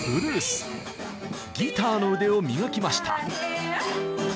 ギターの腕を磨きました。